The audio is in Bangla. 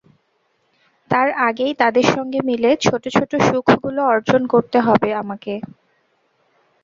তার আগেই তাদের সঙ্গে মিলে ছোট ছোট সুখগুলো অর্জন করতে হবে আমাকে।